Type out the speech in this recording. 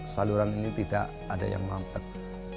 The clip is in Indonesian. yang dilakukan setiap bulan minggu sekali